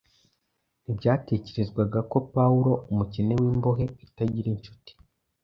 Ntibyatekerezwaga ko Pawulo, umukene n’imbohe itagira incuti,